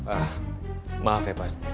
ah maaf ya pak